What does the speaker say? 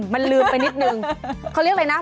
มันลืมไปนิดนึง